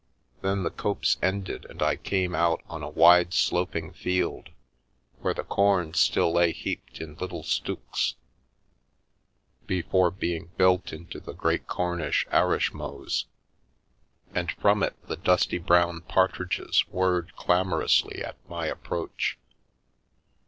Then the copse ended, and I came out on a wide, sloping field, where the corn still lay heaped in little stooks, before being built into the great Cornish arrishmows, and from it the dusty brown partridges whirred clamorously at my approach.